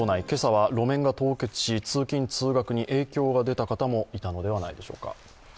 今朝は路面が凍結し通勤・通学に影響が出た方もいたのではないでしょうか。